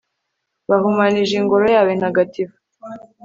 bahumanije ingoro yawe ntagatif